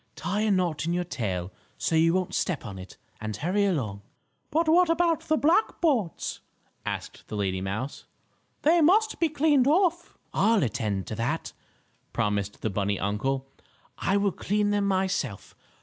"Tie a knot in your tail, so you won't step on it, and hurry along." "But what about the black boards?" asked the lady mouse. "They must be cleaned off." "I'll attend to that," promised the bunny uncle. "I will clean them myself.